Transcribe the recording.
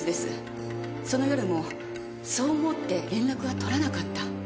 その夜もそう思って連絡は取らなかった。